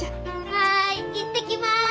はい行ってきます。